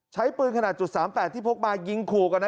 ใช้ปืนขนาด๓๘ที่พกมายิงขู่กันนะ